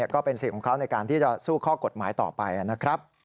ก็เป็นสิทธิ์ของเขาในการที่จะสู้ข้อกฎหมายต่อไปนะครับ